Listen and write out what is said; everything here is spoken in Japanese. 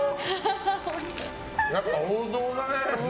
やっぱ王道だね。